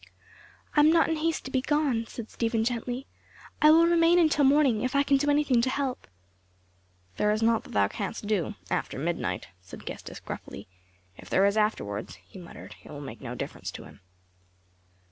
"I am not in haste to be gone," said Stephen gently. "I will remain until morning, if I can do anything to help." "There is naught that thou canst do after midnight," said Gestas gruffly. "If there is an afterwards," he muttered, "it will make no difference to him."